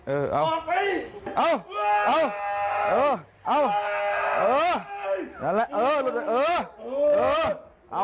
เอาเอา